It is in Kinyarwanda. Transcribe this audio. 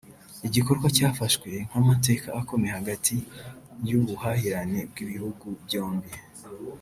igikorwa cyafashwe nk’amateka akomeye hagati y’ubuhahirane bw’ibihugu byombi